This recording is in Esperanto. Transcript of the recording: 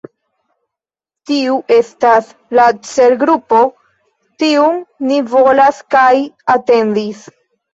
Tiu estas la celgrupo, tiun ni volas kaj atendis.